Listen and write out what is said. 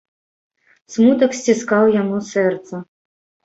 Смутак сціскаў яму сэрца.